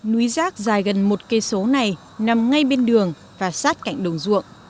núi rác dài gần một km này nằm ngay bên đường và sát cạnh đồng ruộng